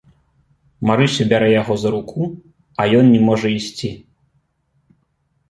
Марыся бярэ яго за руку, а ён не можа ісці.